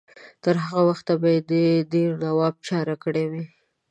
تر هغه وخته به یې د دیر نواب چاره کړې وي.